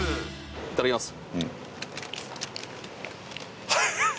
いただきます。